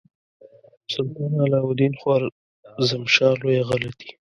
سلطان علاء الدین خوارزمشاه لویه غلطي.